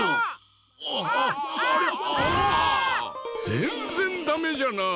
ぜんぜんダメじゃなあ。